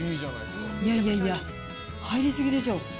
いやいやいや、入り過ぎでしょ。